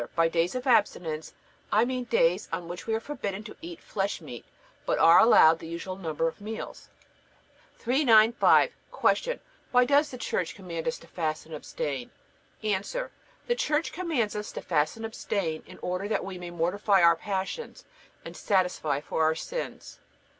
By days of abstinence I mean days on which we are forbidden to eat flesh meat, but are allowed the usual number of meals. 395. Q. Why does the Church command us to fast and abstain? A. The Church commands us to fast and abstain, in order that we may mortify our passions and satisfy for our sins.